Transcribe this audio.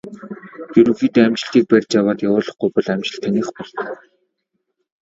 Ерөнхийдөө амжилтыг барьж аваад явуулахгүй бол амжилт таных болдог.